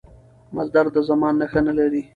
مصدر د زمان نخښه نه لري.